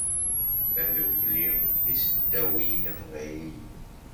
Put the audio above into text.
Tadukli n iseddawiyen iqbayliyen